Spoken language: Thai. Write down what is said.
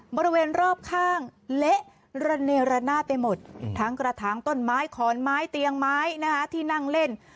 บริเวณรอบข้างเละระเนระนาดไปหมดทั้งกระถางต้นไม้ขอนไม้เตียงไม้นะคะที่นั่งเล่น